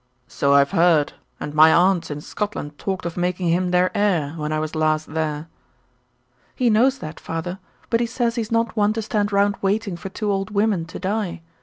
"So I've heard, and my aunts in Scotland talked of making him their heir, when I was last there." "He knows that, father, but he says he's not one to stand round waiting for two old women to die.